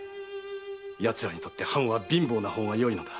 奴らにとって藩は貧乏な方がよいのだ。